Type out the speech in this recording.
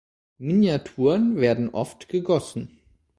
Miniaturen werden oft gegossen.